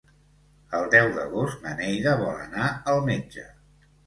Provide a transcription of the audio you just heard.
El deu d'agost na Neida vol anar al metge.